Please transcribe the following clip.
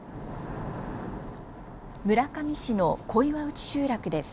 村上市の小岩内集落です。